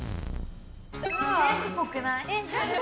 全部ぽくない？